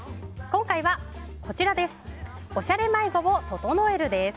今回はこちらです。